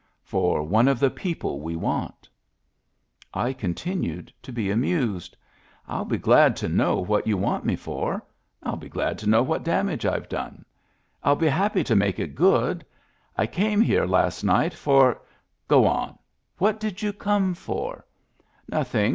" For one of the people we want" I continued to be amused. "Ill be glad to know what you want me for. Ill be glad to know what damage I've done. I'll be happy to make it good. I came over here last night for —^"" Go on. What did you come for? " "Nothing.